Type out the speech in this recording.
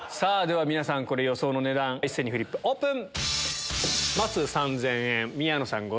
皆さんこれ予想の値段一斉にフリップオープン！